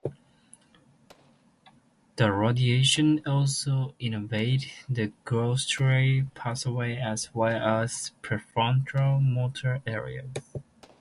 Thalamocortical radiations also innervate the gustatory pathways, as well as pre-frontal motor areas.